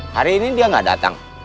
hari ini dia nggak datang